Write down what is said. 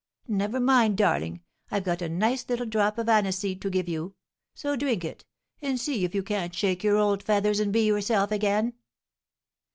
Never mind, darling, I've got a nice little drop of aniseed to give you; so drink it, and see if you can't shake your old feathers and be yourself again!"